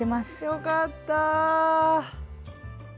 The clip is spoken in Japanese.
よかった。